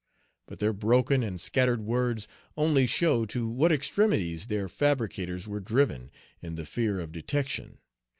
But their broken and scattered words only show to what extremities their fabricators were driven, in the fear of detection.